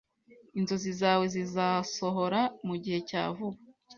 Inzozi zawe zizasohora mugihe cya vuba